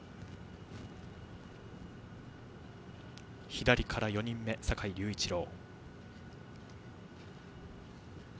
左から４人目が坂井隆一郎。